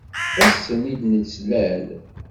Ass-n i d-nettlal.